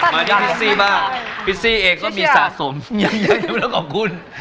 มาด้วยพิซซี่บ้างพิซซี่เองก็มีสะสมยังไม่ต้องขอบคุณ